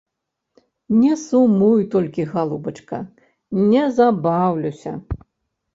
Не сумуй толькі, галубачка, не забаўлюся.